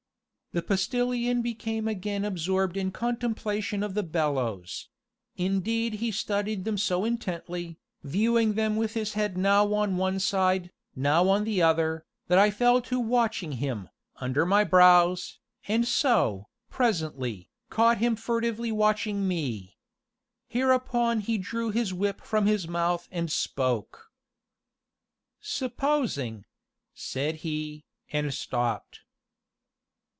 The Postilion became again absorbed in contemplation of the bellows; indeed he studied them so intently, viewing them with his head now on one side, now on the other, that I fell to watching him, under my brows, and so, presently, caught him furtively watching me. Hereupon he drew his whip from his mouth and spoke. "Supposing " said he, and stopped.